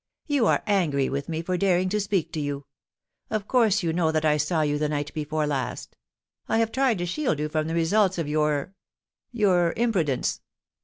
* You are angry with me for daring to speak to you. Of course you know that I saw you the night before last I have tried to shield you from the results of your — your im prudence.